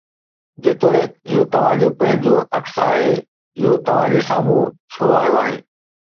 جيتوڻيڪ اهو توهان جو پنهنجو عڪس آهي، اهو توهان جي سامهون ڇو آيو آهي؟